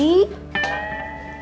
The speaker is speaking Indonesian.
cek kamu teh motongnya yang bener